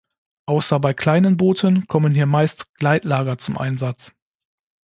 Außer bei kleinen Booten kommen hier meist Gleitlager zum Einsatz.